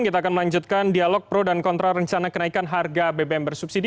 kita akan melanjutkan dialog pro dan kontra rencana kenaikan harga bbm bersubsidi